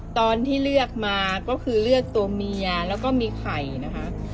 ตอนที่เลือกมาก็คือเลือกตัวเมียแล้วก็มีไข่นะคะ